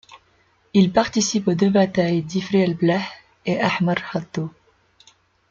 Il participe aux deux batailles d’Ifri el blah et Ahmar Khaddou.